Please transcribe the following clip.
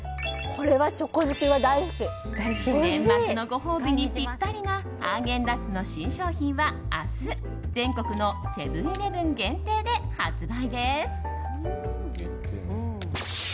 年末のご褒美にピッタリなハーゲンダッツの新商品は明日、全国のセブン‐イレブン限定で発売です。